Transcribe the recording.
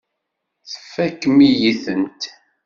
Tfakem-iyi-tent.